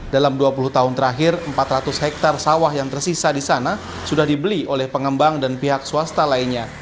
dalam dua puluh tahun terakhir empat ratus hektare sawah yang tersisa di sana sudah dibeli oleh pengembang dan pihak swasta lainnya